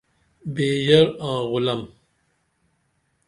بیژر آں غُلم